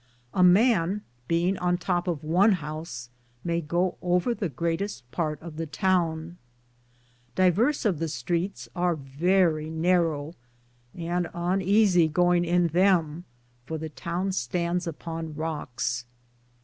A man beinge on the topp of one house may goo over the greateste parte of the towne. Diverse of the streetes ar verrie nar row and uneasie goinge in them, for the towne standes upon Rockes.